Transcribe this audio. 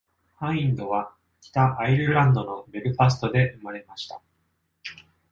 ハインドは北アイルランドのベルファストで生まれました。